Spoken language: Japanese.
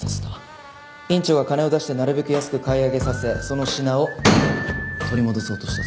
院長が金を出してなるべく安く買い上げさせその品を取り戻そうとした。